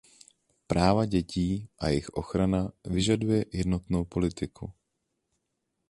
Práva dětí a jejich ochrana vyžaduje jednotnou politiku.